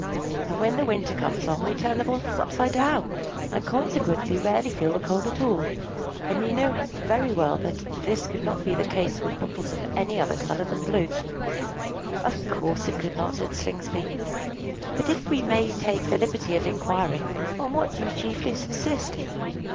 And, when the winter comes on, we turn the bottles upside down, and consequently rarely feel the cold at all; and you know very well that this could not be the case with bottles of any other color than blue." "Of course it could not," said Slingsby. "But, if we may take the liberty of inquiring, on what do you chiefly subsist?"